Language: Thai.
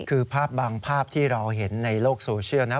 คือภาพบางภาพที่เราเห็นในโลกโซเชียลนะ